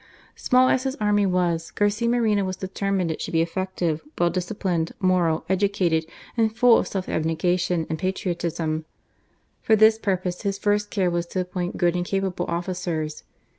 Small as his army was. 124 GARCIA MORENO. Garcia Moreno was determined it should be effective, well disciplined, moral, educated, and full of self abnegation and patriotism. For this purpose his first care was to appoint good and capable officers.